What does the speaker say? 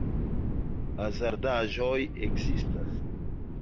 Hazardaĵoj ekzistas.